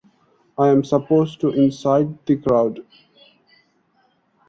I'm supposed to incite the crowd.